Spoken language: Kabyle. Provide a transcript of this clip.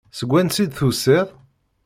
Seg wansi i d-tusiḍ?